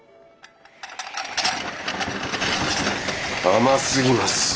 甘すぎます。